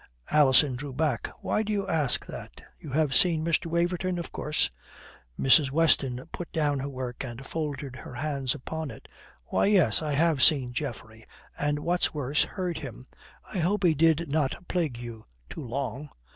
Alison drew back. "Why do you ask that? You have seen Mr. Waverton, of course." Mrs. Weston put down her work and folded her hands upon it. "Why, yes, I have seen Geoffrey; and what's worse, heard him. I hope he did not plague you too long."